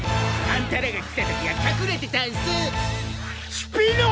スピノ！